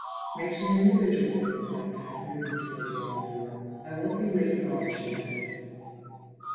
"Makes me individual," replied Pat, moving toward the outer door. "I won't be late at all," she added.